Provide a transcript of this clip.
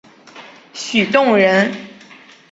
许洞人。